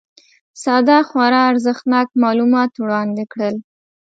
ساده خورا ارزښتناک معلومات وړاندي کړل